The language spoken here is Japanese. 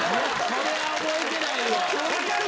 それは覚えてないわ！